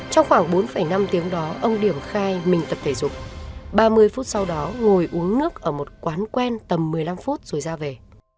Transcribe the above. trong khoảng bốn năm tiếng đó ông điểm khai mình tập thể dục ba mươi phút sau đó ngồi uống nước ở một quán quen tầm một mươi năm phút rồi ra về